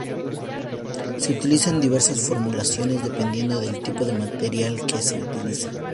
Se utilizan diversas formulaciones, dependiendo del tipo de material que se utiliza.